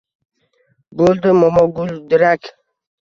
Bo’ldi momoguldirak.